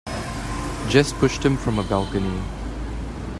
Jess pushed him from a balcony.